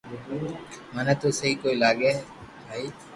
منو تو سھي ڪوئي لاگي بائي